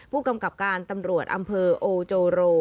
ผู้กำกับการตำรวจอำเภอโอโจโร